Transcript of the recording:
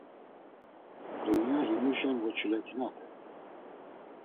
Dunya himuşen voçulet̆inaten.